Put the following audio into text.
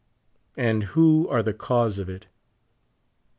And who are the cause of it?